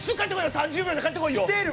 ３０秒で帰って来いよ！